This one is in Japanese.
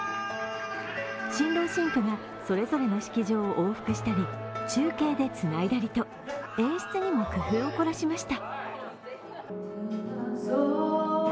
新郎新婦がそれぞれの式場を往復したり、中継でつないだりと、演出にも工夫を凝らしました。